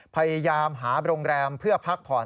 พยายามหาโรงแรมเพื่อพักผ่อน